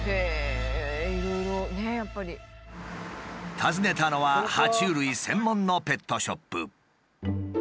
訪ねたのはは虫類専門のペットショップ。